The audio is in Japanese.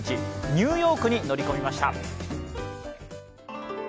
ニューヨークに乗り込みました。